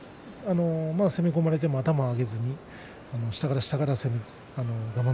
攻め込まれても頭を上げずに下から下から攻める我慢